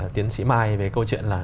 tiến sĩ mai về câu chuyện là